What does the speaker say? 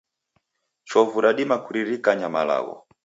Chovu radima kuririkanya malagho